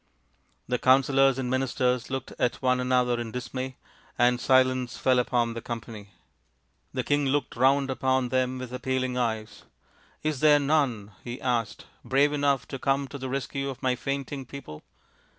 The counsellors and ministers looked at one another in dismay, and silence fell upon the company. THE GREAT DROUGHT 261 The king looked round upon them with appealing eyes. " Is there none/ 5 he asked, " brave enough to come to the rescue of my fainting people